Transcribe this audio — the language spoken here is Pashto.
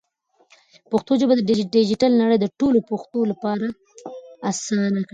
پښتو ژبه په ډیجیټل نړۍ کې د ټولو پښتنو لپاره اسانه کړئ.